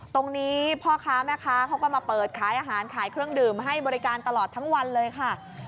พ่อค้าแม่ค้าเขาก็มาเปิดขายอาหารขายเครื่องดื่มให้บริการตลอดทั้งวันเลยค่ะ